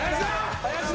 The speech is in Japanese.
林田！